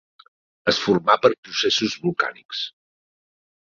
Es formà per processos volcànics.